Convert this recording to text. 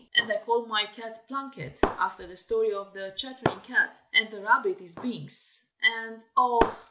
And I call my cat Plunket, after the story of the Chattering Cat, and the rabbit is Binks, and oh!